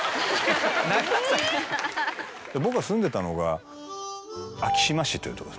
僕が住んでたのが昭島市というとこですね。